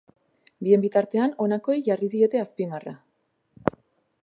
Bien bitartean, honakoei jarri diete azpimarra.